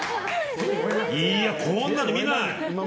こんなの見ない！